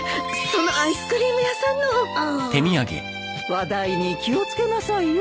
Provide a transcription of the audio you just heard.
話題に気を付けなさいよ。